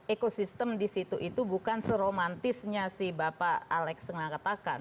ekosistem di situ itu bukan seromantisnya si bapak alex tengah katakan